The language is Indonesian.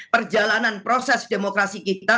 perjalanan proses demokrasi kita